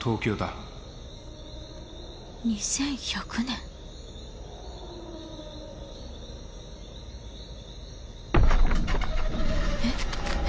２１００年？え？え？